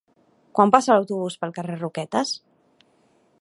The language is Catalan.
Quan passa l'autobús pel carrer Roquetes?